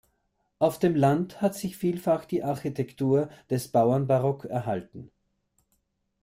Auf dem Land hat sich vielfach die Architektur des Bauernbarock erhalten.